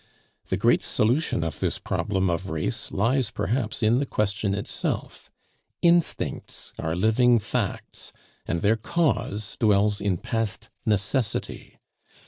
The great solution of this problem of race lies perhaps in the question itself. Instincts are living facts, and their cause dwells in past necessity.